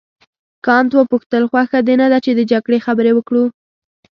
کانت وپوښتل خوښه دې نه ده چې د جګړې خبرې وکړو.